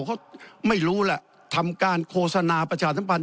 เขาไม่รู้แหละทำการโฆษณาประชาสัมพันธ